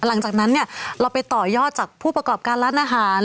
หลังจากนั้นเนี่ยเราไปต่อยอดจากผู้ประกอบการร้านอาหาร